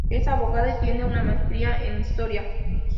Es abogada y tiene una maestría en Historia.